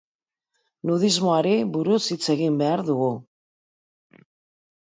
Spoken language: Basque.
Nudismoari buruz hitz egin behar dugu.